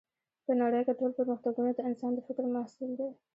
په نړۍ کې ټول پرمختګونه د انسان د فکر محصول دی